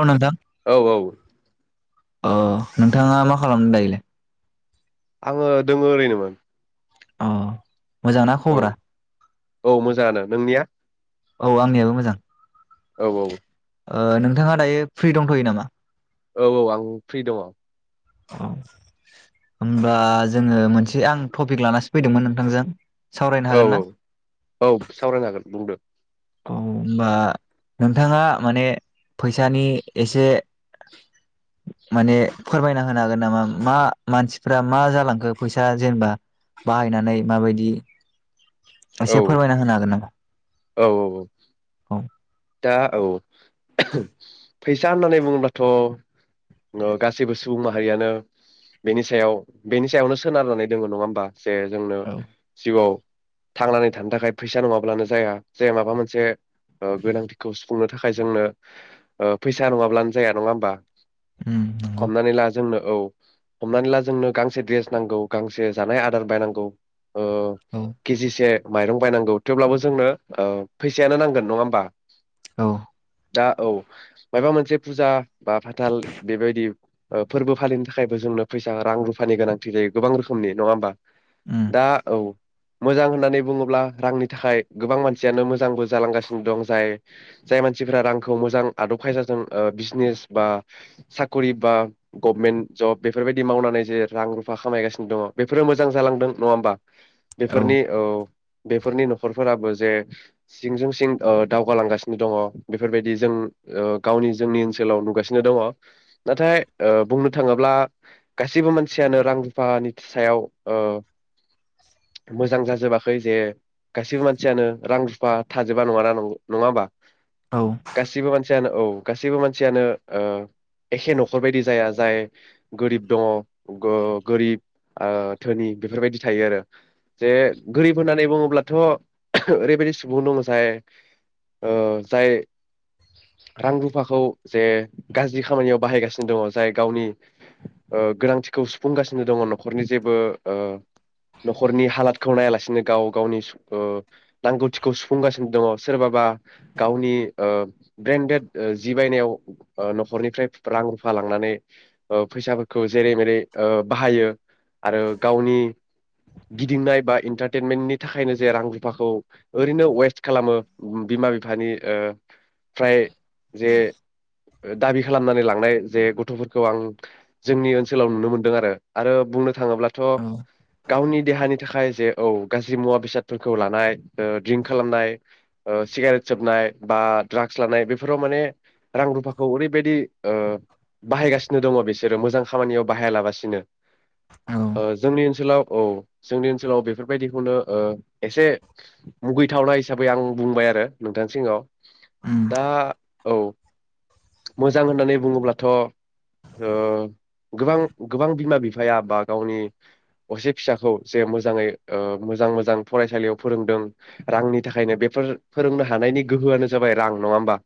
औ नोंथां औ औ अ नोंथाङा मा खालामदों दायोलाय आङो दोङो ओरैनोमोन अ मोजांना औ खबरा औ मोजाङानो नोंनिया औ आंनियाबो मोजां औ औ ओ नोंथाङा दायो फ्रि दंथ'यो नामा औ औ आं फ्रि दङ औ होनबा जोङो मोनसे आं टपिक लानासो फैदोंमोन नोंथांजों सावरायनो औ हागोन ना औ औ सावरायनो हागोन बुंदो औ होनबा नोंथाङा माने फैसानि एसे माने फोरमायना होनो हागोन नामा मा मानसिफ्रा मा जालांखो फैसा जेनेबा बाहायनानै माबायदि औ एसे फोरमायना होनो हागोन नामा [unintelligible] फैसा औ फैसा होननानै बुङोबथ' ओ गासैबो सुबुं माहारियानो बेनि सायाव बेनि सायावनो सोनारनानै दङ नङा होमबा जे जोंनो औ जिउआव थांनानै थानो थाखाय फैसा नङाब्लानो जाया जे माबा मोनसे ओ गोनांथिखौ सुफुंनो थाखाय जोंनो ओ फैसा नङाब्लानो जाया नङा होमबा उम नंगौ हमनानै ला जोंनो औ हमनानै ला जोंनो गांसे द्रेस नांगौ गांसे जानाय आदार बायनांगौ ओ औ केजिसे माइरं बायनांगौ थेवब्लाबो जोंनो ओ फैसायानो नांगोन नङा होमबा [inaudible] औ दा औ मायबा मोनसे फुजा बा फाथाल बेबायदि ओ फोरबो फालिनो थाखायबो जोंनो फैसा रां रुफानि गोनांथि जायो गोबां रोखोमनि नङा होमबा उम दा औ मोजां होननानै बुङोब्ला रांनि थाखाय गोबां मानसियानो मोजांबो जालांगासिनो दं जाय जाय मानसिफोरा रांखौ मोजां आदब खायदाजों ओ बिजनेस बा साखरि बा गभमेन्ट जब बेफोरबायदि मावनानै जे रां रुफा खामायगासिनो दङ बेफोरो मोजां जालांदों नङा होमबा बेफोरनि औ बेफोरनि न'खरफोराबो जे सिंजों सिं ओ दावगालांगासिनो दङ बेफोरबायदि जों ओ गावनि जोंनि ओनसोलाव नुगासिनो दङ नाथाय ओ बुंनो थाङोब्ला गासैबो मानसियानो रां रुफानि सायाव ओ मोजां जाजोबाखै जे गासैबो मानसियानो रां रुफा थाजोबा नङाना नंगौ नङाबा औ गासिबो मानसियानो औ गासैबो मानसियानो ओ एखे न'खरबायदि जाया जाय गोरिब दङ गो-गोरिब ओ धोनि बेफोरबायदि थायो आरो जे गोरिब होननानै बुङोब्लाथ' ओरैबायदि सुबुं दङ जाय ओ जाय रां रुफाखौ जे गाज्रि खामानियाव बाहायगासिनो दङ जाय गावनि ओ गोनांथिखौ सुफुंगासिनो दङ न'खरनि जेबो ओ न'खरनि हालादखौ नायालासिनो गाव गावनि ओ नांगौथिखौ सुफुंगासिनो दङ सोरबाबा गावनि ओ ब्रेन्डेड जि बायनायाव ओ न'खरनिफ्राय रां रुफा लांनानै ओ फैसाफोरखौ जेरै मेरै ओ बाहायो आरो गावनि गिदिंनाय बा इन्टारटेनमेन्टनि थाखायनो जे रां रुफाखौ ओरैनो वेस्ट खालामो बिमा बिफानि ओ फ्राय जे दाबि खालामनानै लांनाय जे गथ'फोरखौ आं जोंनि ओनसोलाव नुनो मोनदों आरो आरो बुंनो थाङोब्लाथ औ गावनि देहानि थाखाय जे औ गाज्रि मुवा बेसादफोरखौ लानाय ओ ड्रिंक खालामनाय ओ सिगारेट सोबनाय बा ड्राग्स लानाय बेफोराव माने रां रुफाखौ ओरैबायदि ओ बाहायगासिनो दङ बिसोरो मोजां खामानियाव बाहायालाबासिनो। औ ओ जोंनि ओनसोलाव औ जोंनि ओनसोलाव बेफोरबायदिखौनो ओ एसे मुगैथावनाय हिसाबै आं बुंबाय आरो नोंथांनि सिगाङाव। उम दा औ मोजां होननानै बुङोब्लाथ ओ गोबां गोबां बिमा बिफाया बा गावनि असे फिसाखौ जे मोजाङै ओ मोजां मोजां फरायसालियाव फोरोंदों रांनि थाखायनो बे फो-फोरोंनो हानायनि गोहोआनो जाबाय रां नङा होमबा।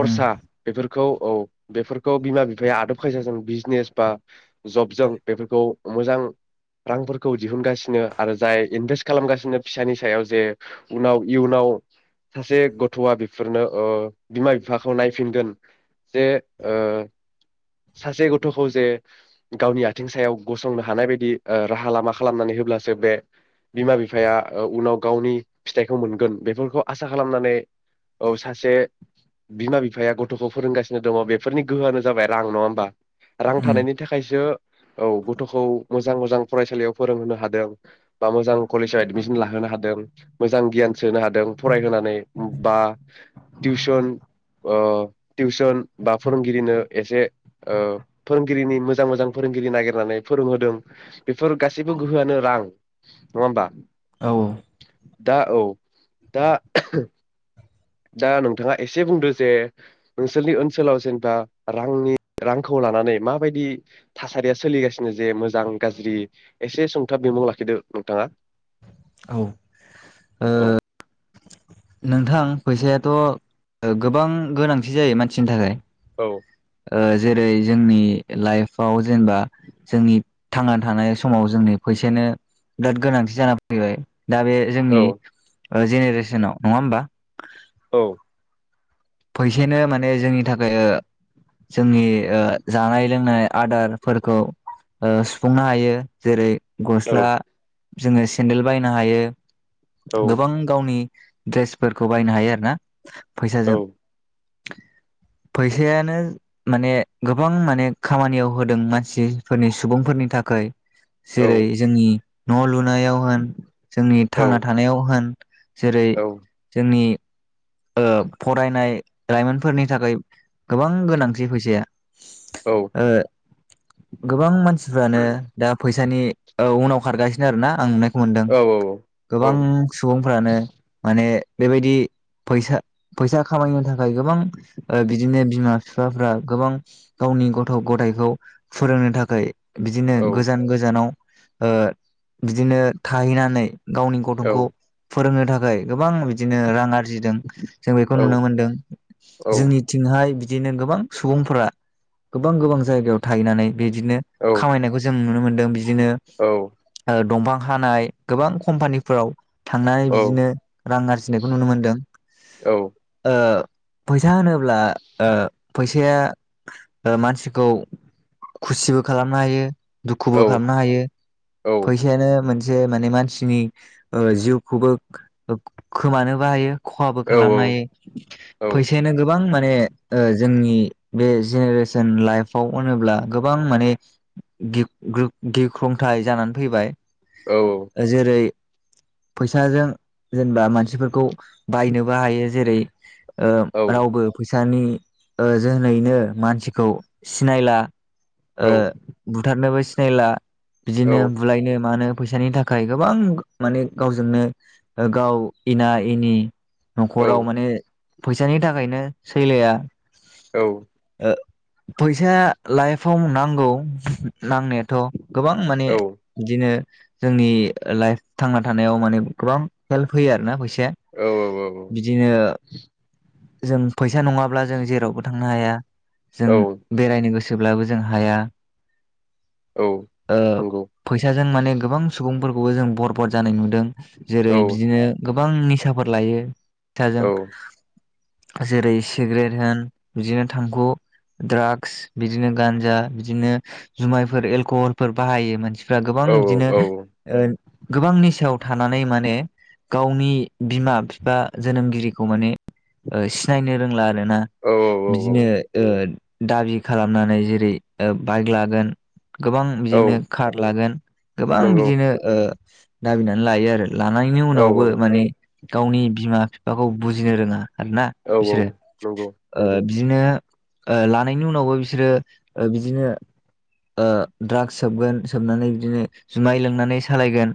उम बेफोर खौ औ बेफोरखौ बिमा बिफाया आदब खायसाजों बिजनेस बा जबजों बेफोरखौ मोजां रांफोरखौ दिहुनगासिनो आरो जाय इनभेस्ट खालामगासिनो फिसानि सायाव जे उनाव इयुनाव सासे गथ'आ बेफोरनो ओ बिमा बिफाखौ नायफिनगोन जे ओ सासे गथ'खौ जे गावनि आथिं सायाव गसंनो हानाय बायदि ओ राहा लामा खालामनानै होब्लासो बे बिमा बिफाया उनाव गावनि फिथाइखौ मोनगोन बेफोरखौ आसा खालामनानै औ सासे बिमा बिफाया गथ'खौ फोरोंगासिनो दङ बेफोरनि गोहोआनो जाबाय रां नङा होमबा। रां उम थानायनि थाखायसो औ गथ'खौ मोजां मोजां फरायसालियाव फोरोंहोनो हादों बा मोजां कलेजाव एदमिसन लाहोनो हादों मोजां गियान सोनो हादों फरायहोनानै बा टिउसन ओ टिउसन बा फोरोंगिरिनो एसे ओ फोरोंगिरिनि मोजां मोजां फोरोंगिरि नागिरनानै फोरोंहोदों बेफोर गासैबो गोहोआनो रां नङा होमबा। औ दा औ दा दा नोंथाङा एसे बुंदो जे नोंसोरनि ओनसोलाव जेनेबा रांनि रांखौ लानानै माबायदि थासारिया सोलिगासिनो जे मोजां गाज्रि एसे सुंथाब बिमुं लाखिदो नोंथाङा। औ ओ औ नोंथां फैसायाथ गोबां गोनांथि जायो मानसिनि थाखाय। औ ओ जेरै जोंनि लाइफआव जेनेबा जोंनि थांना थानाय समाव जोंनि फैसायानो बिराद गोनांथि जानानानै फैबाय। दा बे औ जोंनि ओ जेनेरेसनाव नङा होमबा। औ फैसायानो माने जोंनि थाखाय ओ जोंनि ओ जानाय लोंनाय आदारफोरखौ ओ सुफुंनो हायो जेरै औ गस्ला जोङो सेन्देल बायनो हायो। औ गोबां गावनि ड्रेसफोरखौ बायनो हायो आरो ना औ फैसाजों। फैसायानो माने गोबां माने खामानियाव होदों मानसिफोरनि सुबुंफोरनि थाखै। जेरै जोंनि न'लुन नायाव होन जोंनि औ थांना थानायाव होन जेरै जोंनि ओ फरायनाय लाइमोनफोरनि थाखाय गोबां गोनांथि फैसाया ओ गोबां मानसिफ्रानो दा फै फैसानि औ उनाव खारगासिनो आरो ना आं नुनाय दुखु मोनदों औ औ गोबां सुबुंफ्रानो माने बेबायदि फैसा फैसा खामायनो थाखाय गोबां ओ बिदिनो बिमा बिफाफ्रा गोबां गावनि गथ' गथायाइखौ फोरोंनो थाखाय बिदिनो औ गोजान गोजानाव ओ बिदिनो थाहैनानै गावनि गथंखौ औ फोरोंनो थाखाय गोबां बिदिनो जों बेखौ नुनो मोनदों जोंनिथिंहाय बि दिनो गोबां सुबुंफोरा गोबां गोबां जायगायाव थाहैनानै बिदिनो खामायनायखौ जों नुनो मोन दों दिनो ओ दंफां हानाय गोबां कम्पानिफोराव थांनानै बिदिनो रां आरजिनायखौ नुनो मोन्दों औ ओ फैसा होनोब्ला ओ फैसाया मानसिखौ खुसिबो खालामनो हायो दुखुबो खालामनो हायो फैसायानो मोन से माने मानसिनि ओ जिउखौबो खोमानोबो हायो खहाबो खालामनो हायो फैसायानो गोबां माने ओ जोंनि बे जेनेरेसन लाइफआव होनोब्ला गोबां माने गि गो गिख्रंथाय जानानै फैबाय जेरै फैसाजों जेनेबा मानसिफोरखौ बायनोबो हायो जेरै ओ रावबो फै सानि जोहोनैनो मानसिखौ सिनायला ओ बुथारनोबो सिनायला बिदिनो बुलायनो मानो फैसानि थाखाय गोबां माने गावजोंनो गाव एना एनि न'खराव माने फैसानि थाखायनो सैलाया औ फैसा लाइफआव नांगौ नांनायाथ' गोबां माने बिदिनो जोंनि लाइफ थांना थानायाव माने गोबां हेल्प होयो आरोना फैसाया औ बिदिनो औ औ जों फैसा नङाब्ला जों जेरावबो थांनो हाया जों बेरायनो गोसो सोब्लाबो जों हाया औ नंगौ जों माने गोबां सुबुंफोरखौबो जों बरबाद जानाय नुदों जेरै बिदिनो गोबां निसाफोर लायो फिथाजों जेरै सिगारेट होन बिदिनो थांखु द्राग्स बिदिनो गान्जा बिदिनो जुमायफोर एलक'हलफोर बाहायो मानसि फ्रा गोबां बिदिनो गोबां निसायाव थानानै माने गावनि बिमा बिफा जोनोमगिरिखौ माने सिनायनो रोंला बिदिनो दाबि खालामनानै जेरै बाइक लागोन गोबां बिदिनो कार लागोन गोबां नंगौ बिदिनो दाबिनानै लायो आरो लानायनि उनावबो माने गावनि बिमा बिफाखौ बुजिनो रोङा आरो ना बिसोरो नंगौ नंगौ बिदिनो लानायनि उनावबो बिसोरो बिदिनो ड्राग्स सोबगोन सोबनानै बिदिनो जुमाय लोंनानै सालायगोन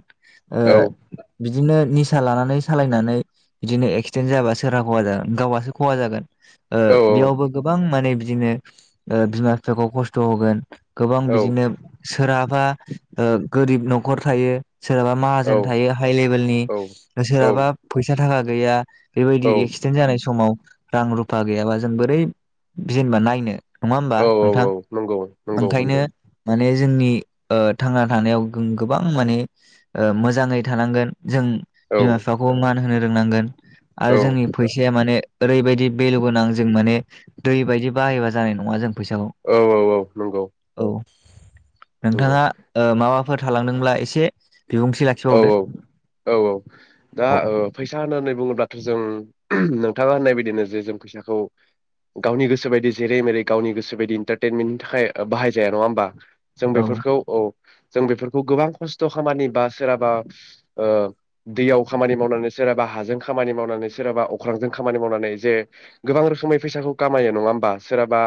बिदिनो निसा लानानै सालायनानै बिदिनो एक्सिडेन्ट जाबा सोरहा खहा जागोन गावहासो खहा जागोन औ औ बेयावबो गोबां माने बिदिनो बिमा बिफाखौ खस्थ' होगोन गोबां बिदिनो सोरहाबा ओ गोरिब न'खर थायो सोरहाबा औ माहाजोन थायो हाइ लेबेलनि सोरहाबा फैसा थाखा गैया बेबायदि एक्सिडेन्ट जानाय समाव रां रुफा गैयाबा जों बोरै जेनेबा नायनो औ औ औ नंगौ नंगौ बेखायनो माने जोंनि ओ थांना थानायाव गोबां माने ओ मोजाङै थानांगोन जों बिमा बिफाखौ मान होनो रोंनांगोन आरो जोंनि फैसाया माने ओरैबायदि भेलु गोनां जों माने दै बायदि बाहायबा जानाय नङा जों फैसाखौ औ औ औ नंगौ औ नंगौ नोंथाङा ओ माबा फोर थालांदोंब्ला एसे बिबुंथि औ लाखिबावदो औ औ औ दा औ ओ फैसा होननानै बुङोब्लाथ' जों नों थाङा होननाय बायदिनो जे जों फैसाखौ गावनि गोसोबायदि जेरै मेरै गावनि गोसोबायदि इन्टारटेनमेन्टनि थाखाय ओ बाहायजाया नङा होमबा जों औ बेफोरखौ औ जों बेफोरखौ गोबां खस्थ' खामानि बा सोरहाबा ओ दैयाव खामानि मावनानै सोराबा हाजों खामानि मावनानै सोरहाबा अख्रांजों खामानि मावनानै जे गोबां रोखोमै फैसाखौ कामायो नङा होमबा सोरहाबा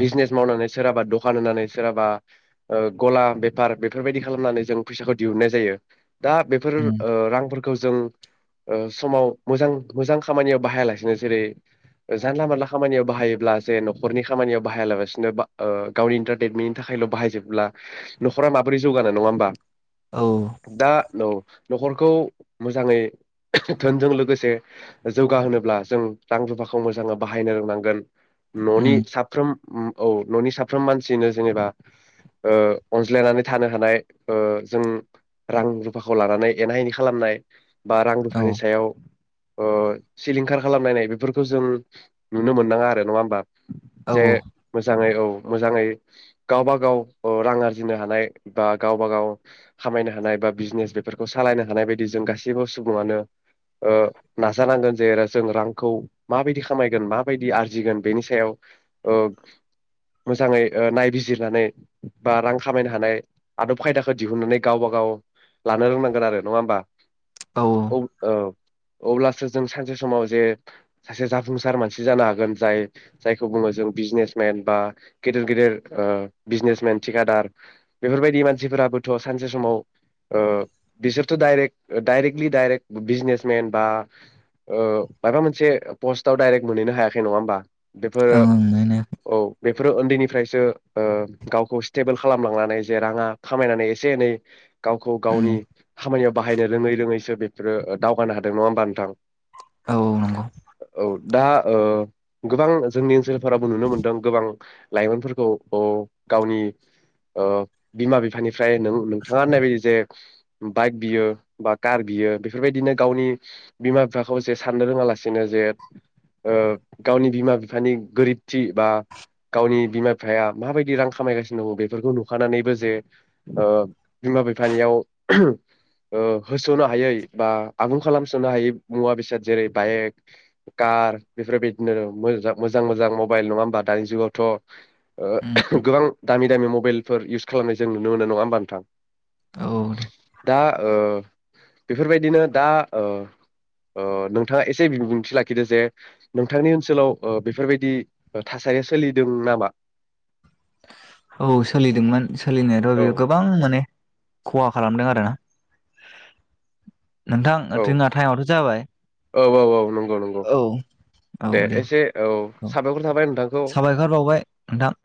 बिजनेस मावनानै सोरहाबा दखान होनानै सोराबा ओ गला बेफार बेफोरबायदि खालामनानै जों फैसाखौ दिहुननाय जायो दा बेफोर उम ओ रांफोरखौ जों ओ समाव मोजां मोजां खामानियाव बाहायालासिनो जेरै जानला मानला खामानियाव बाहायोब्ला जे न'खरनि खामानियाव बाहायाबालासिनो बा ओ गावनि इन्टारटइेनमेन्टनि थाखायल' बाहायजोबोब्ला न'खरा माबोरै जौगानो नङा होमबा औ दा न' न'खरखौ मोजाङै धोनजों लोगोसे जौगाहोनोब्ला जों रां रुफाखौ मोजाङै बाहायनो रोंनांगोन न'नि उम साफ्रोम उ औ न'नि साफ्रोम मानसिनो जेनेबा ओ अनज्लायनानै थानो हानाय ओ जों रां रुफाखौ लानानै एना एनि खालामनाय बा रां औ रुफानि सायाव ओ सिलिंखार खालामलायनाय बेफोरखौ जों नुनो मोननाङा आरो नङा होमबा औ जे मोजाङै औ मोजाङै गावबा गाव अ रां आरजिनो हानाय बा गावबा गाव खामायनो हानाय बा बिजनेस बेफोरखौ सालायनो हानाय बायदि जों गासैबो सुबुङानो ओ नाजानांगोन जे जों रांखौ माबायदि खामायगोन माबायदि आरजिगोन बेनि सायाव ओ मोजाङै ओ नायबिजिरनानै बा रां खामायनो हानाय आदब खायदा दिहुननानै गावबा गाव लानो रोंनांगोन आरो नङा होमबा औ आ अब्लासो जों सानसे समाव जे सासे जाफुंसार मानसि जानो हागोन जाय जायखौ बुङो जों बिजनेसमेन बा गेदेर गेदेर ओ बिजनेसमेन थिखादार बेफोरबायदि मानसिफोराबो थ' सानसे समाव ओ बिसोरथ' डाइरेक्ट डाइरेक्टलि डाइरेक्ट बिजनेसमेन बा ओ माबा मोनसे पस्टआव डाइरेक्ट मोनहैनो हायाखै नङा होमबा औ बेफोरो ओं मोनो औ बे बेफोरो उन्दैनिफ्रायसो ओ गावखौ स्टेबोल खालामलांनानै जेला राङा खामायनानै एसे एनै गावखौ उम गावनि खामानियाव बाहायनो रोङै रोङैसो बेफोरो दावगानो हादों नङा होमबा नोंथां औ औ नंगौ औ दा ओ गोबां जोंनि ओनसोलफोराबो नुनो मोनदों गोबां लाइमोनफोरखौ औ गावनि बिमा बिफानिफ्राय ओमफ्राय नों नोंथाङा होननाय बायदि जे बाइक बियो बा कार बियो बेफोरबायदिनो गावनि बिमा बिफाखौ जे साननो रोङा लासिनो ओ जे गावनि बिमा बिफानि गोरिबथि बा गावनि बिमा बिफाया माबायदि रां खामायगासिनो दङ बेफोरखौ नुखानानैबो जे ओ बिमा बिफानियाव होसोननो हायै बा आबुं खालामसोनो हायै मुवा बेसाद जेरै बाइक कार बेफोरबायदिनो मोजां मोजां मबाइल नङा होमबा दानि उम जुगावथ' गोबां दामि दामि मबाइलफोर इउस खालामनाय जों नु मोनो नङा होमबा नोंथां औ दे। दा ओ बेफोरबायदिनो दा ओ नोंथाङा एसे बिबुंथि लाखिदो जे नोंथांनि ओनसोलाव बेफोरबायदि थासारिया सोलिदों नामा औ सोलिदोंमोन सोलिनायाथ' औ बेयो गोबां माने खहा खालामदों आरो [unintelligible] नोंथां औ ट्रना टाइमावथ' जाबाय औ औ औ नंगौ नंगौ औ औ दे एसे औ साबायखर थाबाय नोंथांखौ साबायखर बावबाय नोंथां